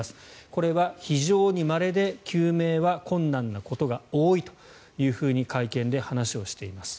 これは非常にまれで救命は困難なことが多いと会見で話をしています。